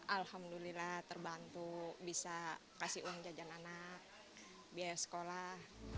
alhamdulillah terbantu bisa kasih uang jajan anak biaya sekolah